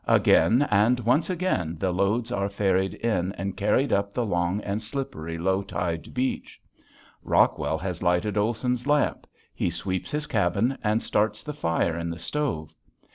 Again and once again the loads are ferried in and carried up the long and slippery low tide beach. Rockwell has lighted Olson's lamp, he sweeps his cabin, and starts the fire in the stove.